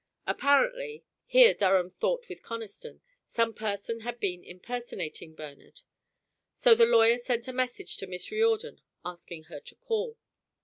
Apparently here Durham thought with Conniston some person had been impersonating Bernard, so the lawyer sent a message to Miss Riordan asking her to call.